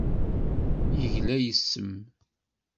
Yegla yes-m.